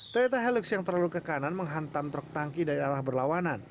toyota helix yang terlalu ke kanan menghantam truk tangki dari arah berlawanan